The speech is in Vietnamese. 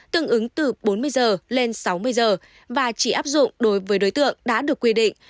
tương ứng từ bốn mươi giờ lên sáu mươi giờ và chỉ áp dụng đối với đối tượng đã được quy định